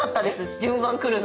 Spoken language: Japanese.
順番来るの。